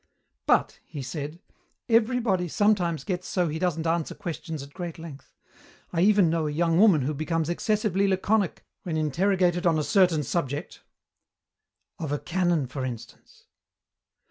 "But," he said, "everybody sometimes gets so he doesn't answer questions at great length. I even know a young woman who becomes excessively laconic when interrogated on a certain subject." "Of a canon, for instance."